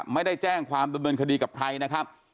ไม่ได้แจ้งความดำเนินคดีกับใครนะครับ